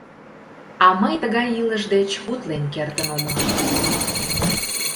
А мый тыгай илыш деч утлен кертын омыл.